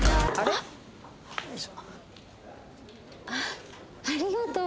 あっありがとう。